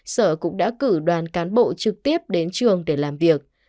sở cũng đã cử đoàn cán bộ trực tiếp đến trường để làm việc